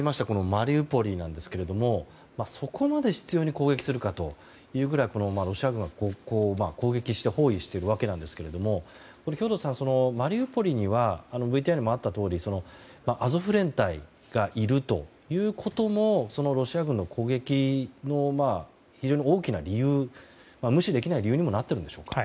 マリウポリなんですけれどもそこまで執拗に攻撃するかとそれぐらいロシア軍は、ここを攻撃して包囲しているんですけれども兵頭さん、マリウポリにはＶＴＲにもあったとおりアゾフ連隊がいるということもロシア軍の攻撃の非常に大きな無視できない理由にもなっているんでしょうか？